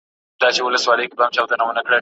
خزان له پېغلو پېزوانونو سره لوبي کوي